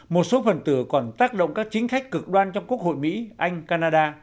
một số phần tử còn tác động các chính khách cực đoan trong quốc hội mỹ anh canada